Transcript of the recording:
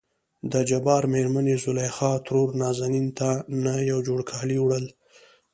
دجبار مېرمنې زليخا ترور نازنين ته نه يو جوړ کالي وړل.